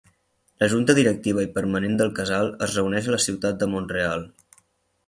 La Junta Directiva i Permanent del Casal es reuneix a la ciutat de Mont-real.